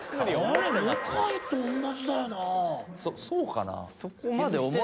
そうかなぁ！？